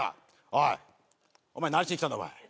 おいお前何しにきたんだお前